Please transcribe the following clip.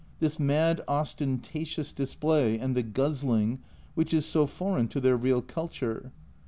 This mad ostentatious display, and the guzzling, which is so foreign to their real culture.